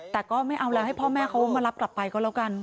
แต่ก็ไม่เอาแล้วให้พ่อแม่เขามารับกลับไปก็แล้วกัน